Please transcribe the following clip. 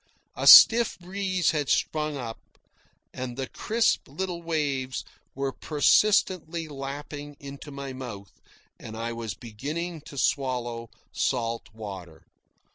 A stiff breeze had sprung up, and the crisp little waves were persistently lapping into my mouth, and I was beginning to swallow salt water.